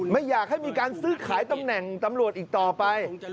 ไม่อยากให้มีการซื้อขายตำแหน่งตำรวจอีกต่อไป